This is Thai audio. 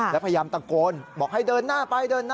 แล้วพยายามตะโกนบอกให้เดินหน้าไป